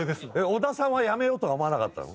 小田さんは辞めようとは思わなかったの？